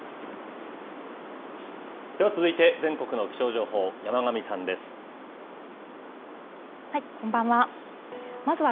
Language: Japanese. では続いて、全国の気象情報、こんばんは。